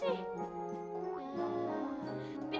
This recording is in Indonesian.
tapi tunggu kerasin dikit